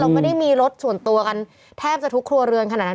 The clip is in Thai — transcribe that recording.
ไม่ได้มีรถส่วนตัวกันแทบจะทุกครัวเรือนขนาดนั้น